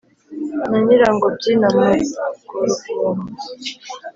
Na Nyirangobyi na Mugoruvoma,